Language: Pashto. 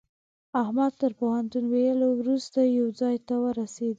احمد تر پوهنتون ويلو روسته يوه ځای ته ورسېدل.